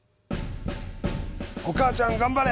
『お母ちゃん頑張れ！